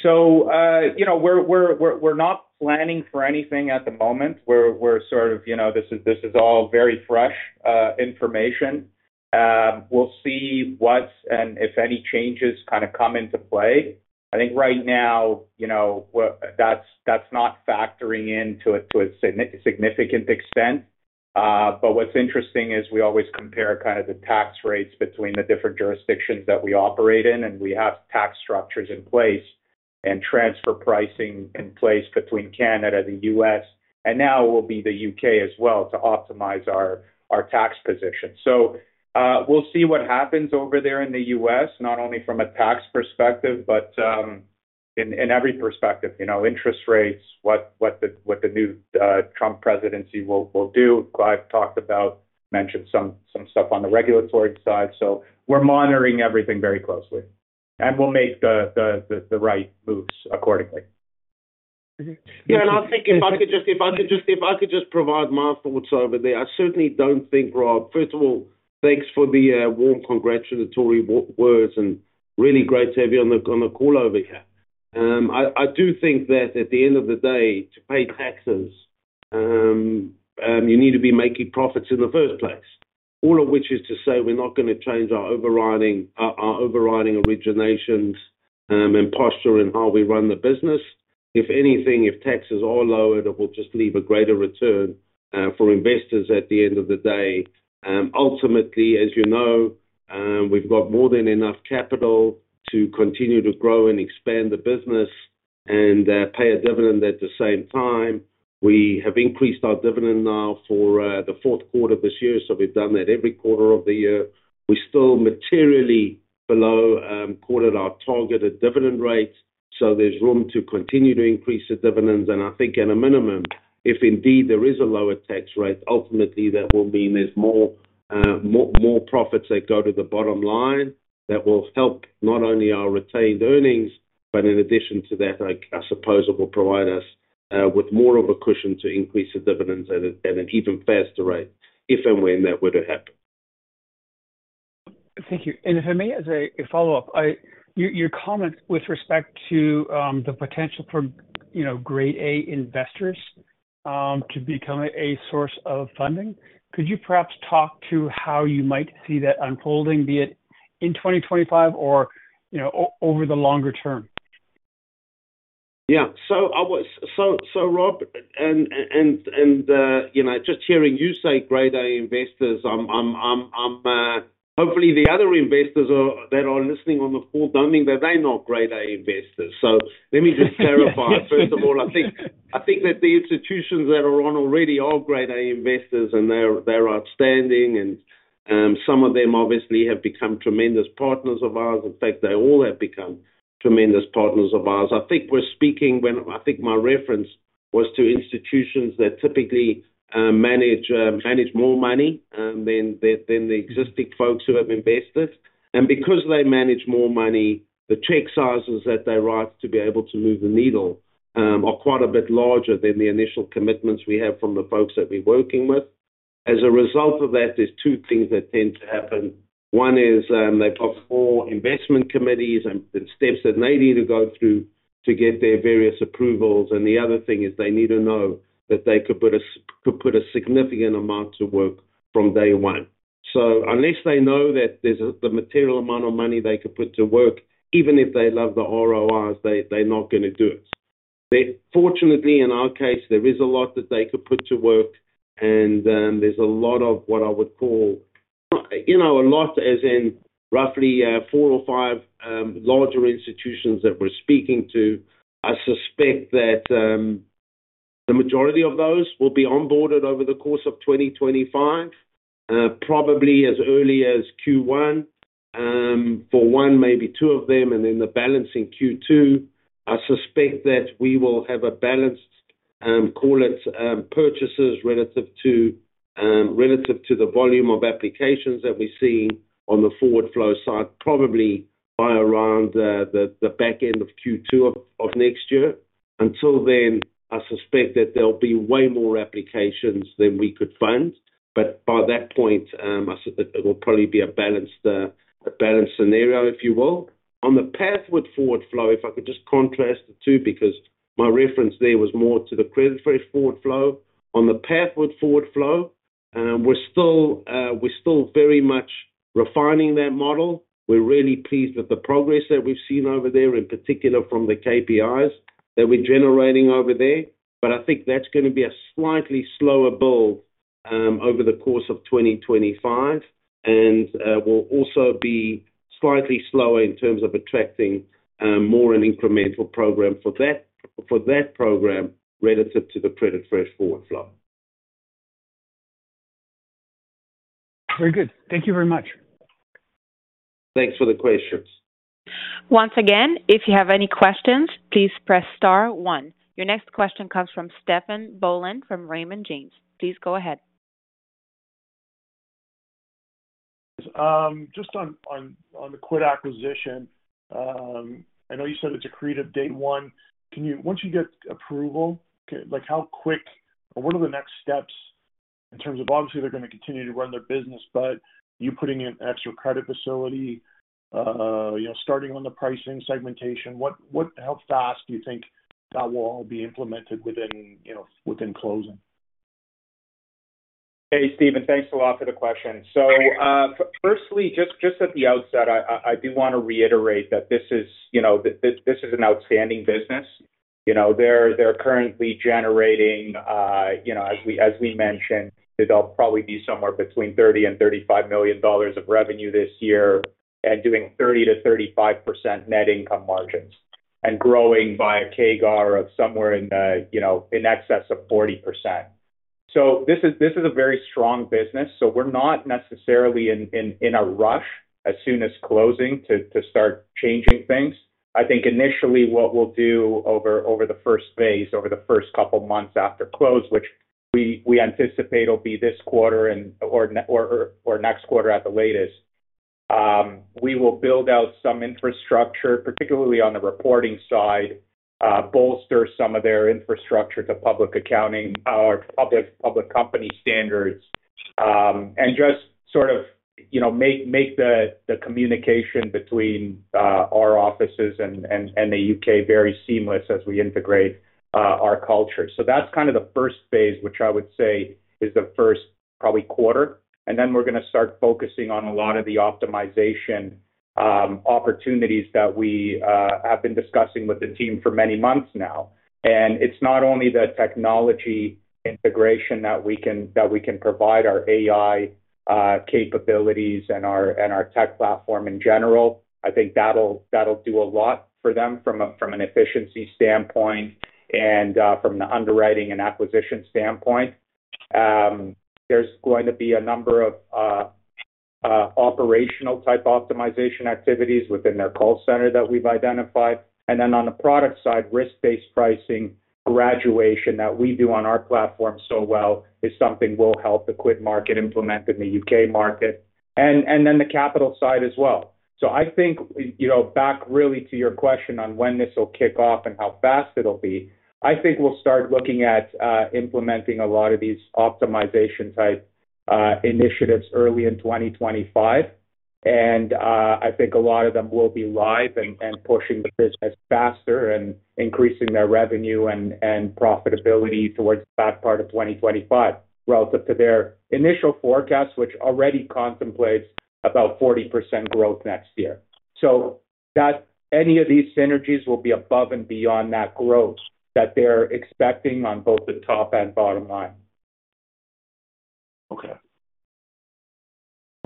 So we're not planning for anything at the moment. We're sort of this is all very fresh information. We'll see what and if any changes kind of come into play. I think right now, that's not factoring into it to a significant extent, but what's interesting is we always compare kind of the tax rates between the different jurisdictions that we operate in, and we have tax structures in place and transfer pricing in place between Canada, the U.S., and now will be the U.K. as well to optimize our tax position. So we'll see what happens over there in the U.S., not only from a tax perspective, but in every perspective. Interest rates, what the new Trump presidency will do. Clive talked about, mentioned some stuff on the regulatory side, so we're monitoring everything very closely, and we'll make the right moves accordingly. Yeah. And I think if I could just provide my thoughts over there, I certainly don't think, Rob. First of all, thanks for the warm congratulatory words, and really great to have you on the call over here. I do think that at the end of the day, to pay taxes, you need to be making profits in the first place, all of which is to say we're not going to change our overriding originations and posture in how we run the business. If anything, if taxes are lowered, it will just leave a greater return for investors at the end of the day. Ultimately, as you know, we've got more than enough capital to continue to grow and expand the business and pay a dividend at the same time. We have increased our dividend now for the fourth quarter of this year, so we've done that every quarter of the year. We're still materially below quarter-to-date targeted dividend rates, so there's room to continue to increase the dividends. And I think at a minimum, if indeed there is a lower tax rate, ultimately that will mean there's more profits that go to the bottom line that will help not only our retained earnings, but in addition to that, I suppose it will provide us with more of a cushion to increase the dividends at an even faster rate if and when that were to happen. Thank you. And for me, as a follow-up, your comments with respect to the potential for grade A investors to become a source of funding, could you perhaps talk to how you might see that unfolding, be it in 2025 or over the longer term? Yeah. So, Rob, and just hearing you say grade A investors, hopefully the other investors that are listening on the call don't mean that they're not grade A investors. So let me just clarify. First of all, I think that the institutions that are on already are grade A investors, and they're outstanding, and some of them obviously have become tremendous partners of ours. In fact, they all have become tremendous partners of ours. I think we're speaking when I think my reference was to institutions that typically manage more money than the existing folks who have invested. And because they manage more money, the check sizes that they write to be able to move the needle are quite a bit larger than the initial commitments we have from the folks that we're working with. As a result of that, there's two things that tend to happen. One is they've got four investment committees and steps that they need to go through to get their various approvals, and the other thing is they need to know that they could put a significant amount to work from day one. So unless they know that there's the material amount of money they could put to work, even if they love the ROIs, they're not going to do it. Fortunately, in our case, there is a lot that they could put to work, and there's a lot of what I would call a lot as in roughly four or five larger institutions that we're speaking to. I suspect that the majority of those will be onboarded over the course of 2025, probably as early as Q1. For one, maybe two of them, and then the balance in Q2. I suspect that we will have a balanced, call it purchases relative to the volume of applications that we see on the forward flow side, probably by around the back end of Q2 of next year. Until then, I suspect that there'll be way more applications than we could fund, but by that point, it will probably be a balanced scenario, if you will. On the Pathward forward flow, if I could just contrast the two because my reference there was more to the CreditFresh forward flow. On the Pathward forward flow, we're still very much refining that model. We're really pleased with the progress that we've seen over there, in particular from the KPIs that we're generating over there, but I think that's going to be a slightly slower build over the course of 2025, and will also be slightly slower in terms of attracting more an incremental program for that program relative to the CreditFresh forward flow. Very good. Thank you very much. Thanks for the questions. Once again, if you have any questions, please press star one. Your next question comes from Stephen Boland from Raymond James. Please go ahead. Just on the QuidMarket acquisition, I know you said it's an accretive day one. Once you get approval, how quick or what are the next steps in terms of obviously they're going to continue to run their business, but you putting in extra credit facility, starting on the pricing segmentation, how fast do you think that will all be implemented within closing? Hey, Stephen, thanks a lot for the question. Firstly, just at the outset, I do want to reiterate that this is an outstanding business. They're currently generating, as we mentioned, they'll probably be somewhere between $30 million-$35 million of revenue this year and doing 30%-35% net income margins and growing by a CAGR of somewhere in excess of 40%. This is a very strong business, so we're not necessarily in a rush as soon as closing to start changing things. I think initially what we'll do over the first phase, over the first couple of months after close, which we anticipate will be this quarter or next quarter at the latest, we will build out some infrastructure, particularly on the reporting side, bolster some of their infrastructure to public accounting or public company standards, and just sort of make the communication between our offices and the UK very seamless as we integrate our culture. So that's kind of the first phase, which I would say is the first probably quarter, and then we're going to start focusing on a lot of the optimization opportunities that we have been discussing with the team for many months now. And it's not only the technology integration that we can provide our AI capabilities and our tech platform in general. I think that'll do a lot for them from an efficiency standpoint and from the underwriting and acquisition standpoint. There's going to be a number of operational type optimization activities within their call center that we've identified. And then on the product side, risk-based pricing graduation that we do on our platform so well is something we'll help the QuidMarket implement in the U.K. market and then the capital side as well. So I think back really to your question on when this will kick off and how fast it'll be, I think we'll start looking at implementing a lot of these optimization type initiatives early in 2025, and I think a lot of them will be live and pushing the business faster and increasing their revenue and profitability towards the back part of 2025 relative to their initial forecast, which already contemplates about 40% growth next year. So any of these synergies will be above and beyond that growth that they're expecting on both the top and bottom line. Okay.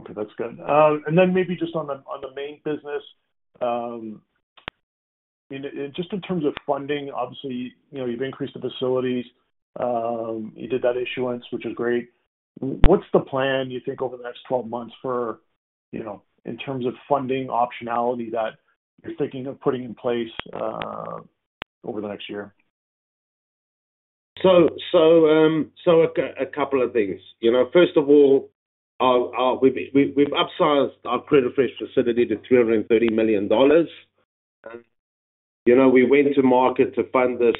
Okay. That's good. And then maybe just on the main business, just in terms of funding, obviously you've increased the facilities, you did that issuance, which is great. What's the plan, do you think, over the next 12 months in terms of funding optionality that you're thinking of putting in place over the next year? So a couple of things. First of all, we've upsized our revolving credit facility to $330 million. We went to market to fund the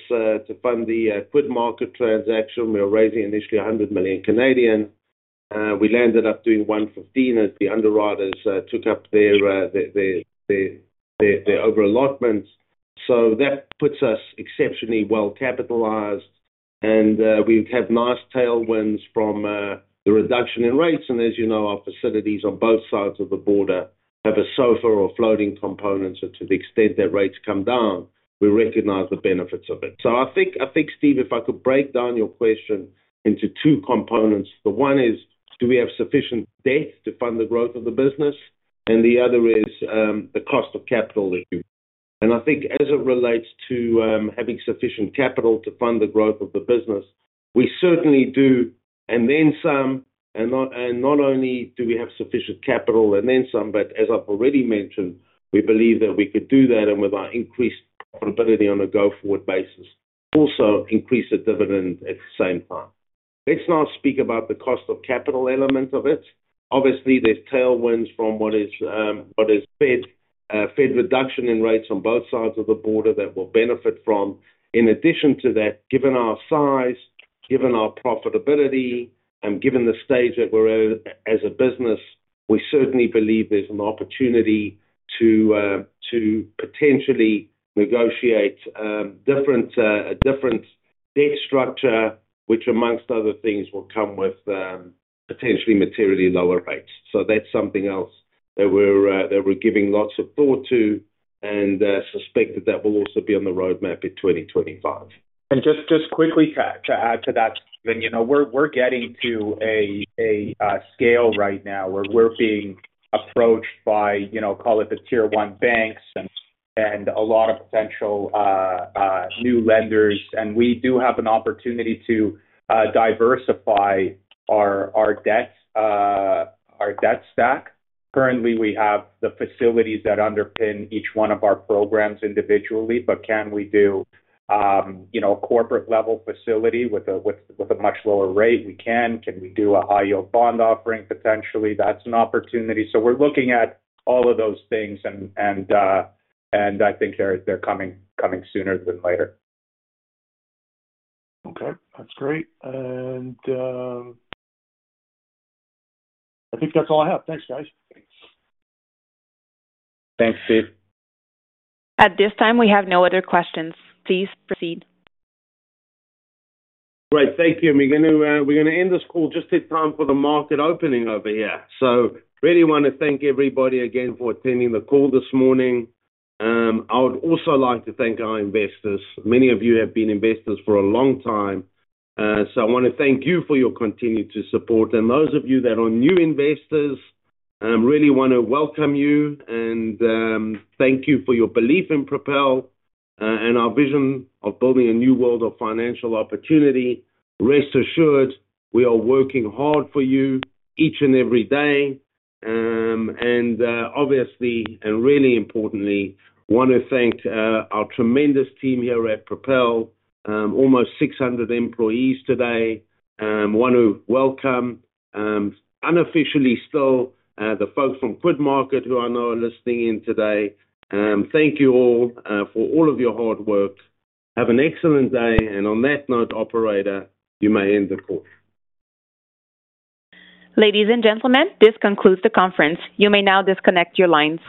QuidMarket transaction. We were raising initially 100 million. We ended up doing 115 million as the underwriters took up their over-allotments. So that puts us exceptionally well capitalized, and we've had nice tailwinds from the reduction in rates. And as you know, our facilities on both sides of the border have a SOFR or floating component, so to the extent that rates come down, we recognize the benefits of it. So I think, Steve, if I could break down your question into two components. The one is, do we have sufficient debt to fund the growth of the business? And the other is the cost of capital issue. And I think as it relates to having sufficient capital to fund the growth of the business, we certainly do. And then some, and not only do we have sufficient capital and then some, but as I've already mentioned, we believe that we could do that and with our increased profitability on a go-forward basis, also increase the dividend at the same time. Let's not speak about the cost of capital element of it. Obviously, there's tailwinds from what is Fed reduction in rates on both sides of the border that we'll benefit from. In addition to that, given our size, given our profitability, and given the stage that we're at as a business, we certainly believe there's an opportunity to potentially negotiate a different debt structure, which among other things will come with potentially materially lower rates. That's something else that we're giving lots of thought to and suspect that that will also be on the roadmap in 2025. Just quickly to add to that, Stephen, we're getting to a scale right now where we're being approached by, call it the tier one banks and a lot of potential new lenders, and we do have an opportunity to diversify our debt stack. Currently, we have the facilities that underpin each one of our programs individually, but can we do a corporate-level facility with a much lower rate? We can. Can we do a high-yield bond offering potentially? That's an opportunity, so we're looking at all of those things, and I think they're coming sooner than later. Okay. That's great, and I think that's all I have. Thanks, guys. Thanks. Thanks, Steve. At this time, we have no other questions. Please proceed. Great. Thank you. We're going to end this call just in time for the market opening over here, so really want to thank everybody again for attending the call this morning. I would also like to thank our investors. Many of you have been investors for a long time, so I want to thank you for your continued support. And those of you that are new investors, I really want to welcome you and thank you for your belief in Propel and our vision of building a new world of financial opportunity. Rest assured, we are working hard for you each and every day. And obviously, and really importantly, I want to thank our tremendous team here at Propel, almost 600 employees today. I want to welcome unofficially still the folks from QuidMarket who I know are listening in today. Thank you all for all of your hard work. Have an excellent day. And on that note, operator, you may end the call. Ladies and gentlemen, this concludes the conference. You may now disconnect your lines.